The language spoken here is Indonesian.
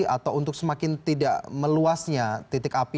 atau untuk semakin tidak meluasnya titik api